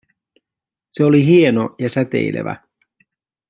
Se oli hieno ja säteilevä.